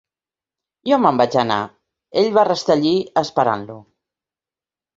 Jo me'n vaig anar: ell va restar allí esperant-lo.